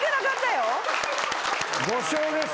５笑です。